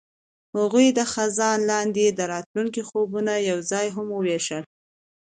هغوی د خزان لاندې د راتلونکي خوبونه یوځای هم وویشل.